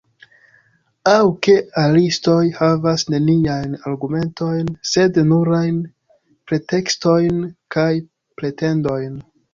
Aŭ ke rasistoj havas neniajn argumentojn, sed nurajn pretekstojn kaj pretendojn.